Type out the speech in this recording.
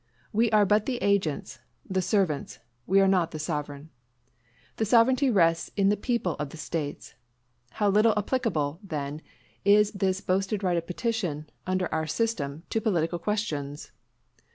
We are but the agents the servants. We are not the sovereign. The sovereignty resides in the people of the States. How little applicable, then, is this boasted right of petition, under our system, to political questions?